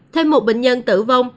thêm một bệnh nhân tử vong